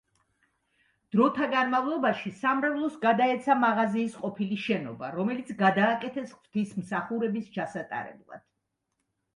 დროტა განამვლობაში სამრევლოს გადაეცა მაღაზიის ყოფილი შენობა, რომელიც გადააკეთეს ღვთისმსახურების ჩასატარებლად.